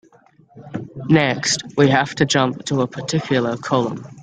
Next, we have to jump to a particular column.